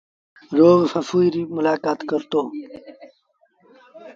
روز سسئيٚ ريٚ ملآڪآت ڪرتو۔